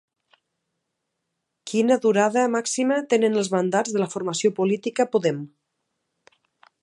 Quina durada màxima tenen els mandats de la formació política Podem?